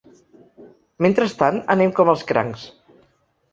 Mentrestant, anem com els crancs.